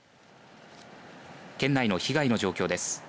県内の被害の状況です。